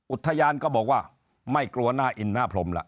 อุทยานก็บอกว่าไม่กลัวหน้าอินหน้าพรมล่ะ